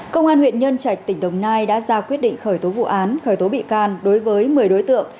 công an huyện nhân trạch tỉnh đồng nai đã ra quyết định khởi tố vụ án khởi tố bị can đối với một mươi đối tượng